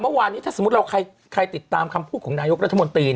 แต่ว่าเมื่อวานี้ถ้าเกิดมีใครติดตามคำพูดของนายกรัฐมนตรี